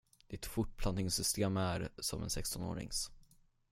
Ditt fortplantningssystemär som en sextonårings.